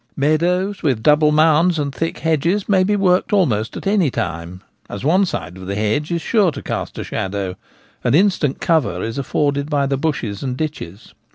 Meadows with double mounds and thick hedges may be worked almost at any time, as one side of the hedge is sure to cast a shadow, and instant cover is afforded by the bushes and ditches.